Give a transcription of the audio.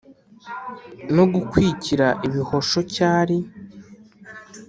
No gukwikira ibihosho cyari